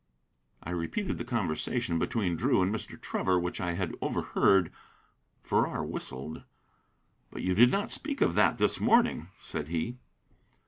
I repeated the conversation between Drew and Mr. Trevor which I had overheard. Farrar whistled. "But you did not speak of that this morning," said he.